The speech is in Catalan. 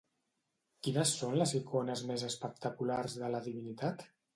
Quines són les icones més espectaculars de la divinitat?